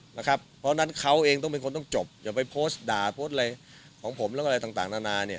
เพราะฉะนั้นเขาเองต้องจบอย่าไปโพสต์ด่าโพสต์อะไรของผมและอะไรต่างนานา